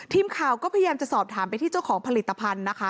ทีมข่าวก็พยายามจะสอบถามไปที่เจ้าของผลิตภัณฑ์นะคะ